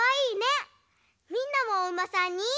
みんなもおうまさんに。